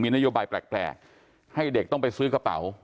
นโยบายแปลกให้เด็กต้องไปซื้อกระเป๋า